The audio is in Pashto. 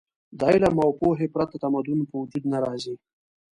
د علم او پوهې پرته تمدن په وجود نه راځي.